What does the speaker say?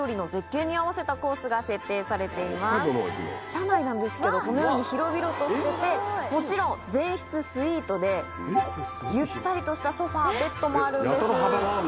車内なんですけどこのように広々としててもちろん全室スイートでゆったりとしたソファベッドもあるんです。